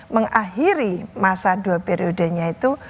mengakhiri masa dua periodenya itu